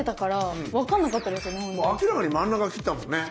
明らかに真ん中切ったもんね？